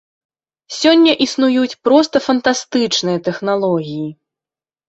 Сёння існуюць проста фантастычныя тэхналогіі.